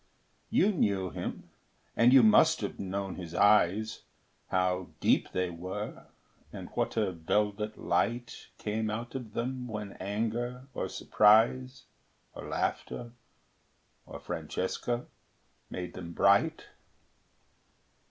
You knew him, and you must have known his eyes, How deep they were, and what a velvet light Came out of them when anger or surprise, Or laughter, or Francesca, made them bright.